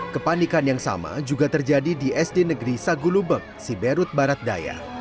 kepanikan yang sama juga terjadi di sd negeri sagulubek siberut barat daya